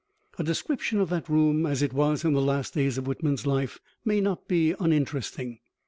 A description of that room as it was in the last days of Whitman's life may not be uninteresting.